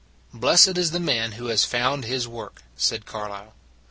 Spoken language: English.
" Blessed is the man who has found his work," said Carlyle.